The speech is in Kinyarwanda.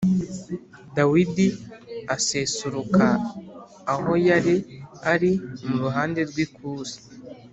Dawidi asesuruka aho yari ari mu ruhande rw’ikusi